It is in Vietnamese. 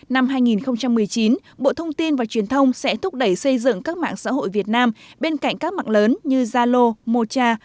năm hai nghìn một mươi chín bộ thông tin và truyền thông sẽ thúc đẩy xây dựng các mạng xã hội việt nam bên cạnh các mạng lớn như zalo mocha